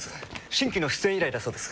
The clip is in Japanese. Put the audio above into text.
新規の出演依頼だそうです。